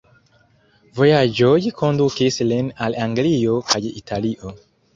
Vojaĝoj kondukis lin al Anglio kaj Italio.